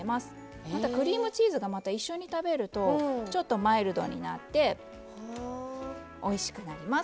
クリームチーズがまた一緒に食べるとちょっとマイルドになっておいしくなります。